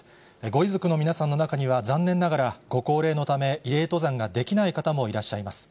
ご遺族の皆さんの中には、残念ながらご高齢のため、慰霊登山ができない方もいらっしゃいます。